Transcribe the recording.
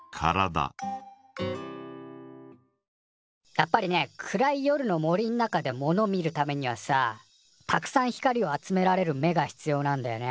やっぱりね暗い夜の森ん中で物見るためにはさたくさん光を集められる目が必要なんだよね。